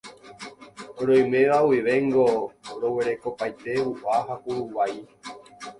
Roiméva guivéngo roguerekopaite vua ha kuruvai.